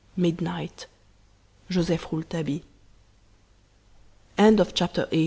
Midnight." "JOSEPH ROULETABILLE." CHAPTER XIX.